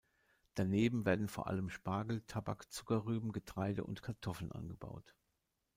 Daneben werden vor allem Spargel, Tabak, Zuckerrüben, Getreide und Kartoffeln angebaut.